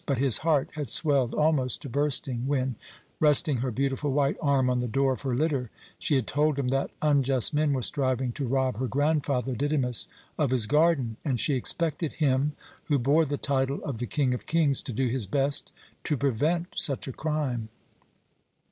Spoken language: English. But his heart had swelled almost to bursting when, resting her beautiful white arm on the door of her litter, she had told him that unjust men were striving to rob her grandfather Didymus of his garden, and she expected him, who bore the title of the "King of kings" to do his best to prevent such a crime.